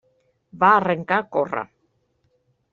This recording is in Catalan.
Va arrencar a córrer.